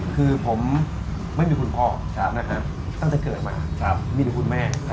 คือผมไม่มีคุณพ่อตั้งแต่เกิดมามีแต่คุณแม่